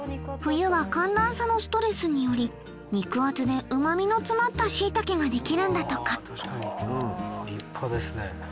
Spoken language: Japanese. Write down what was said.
冬は寒暖差のストレスにより肉厚でうま味の詰まったシイタケができるんだとか立派ですね。